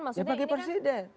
ya bagi presiden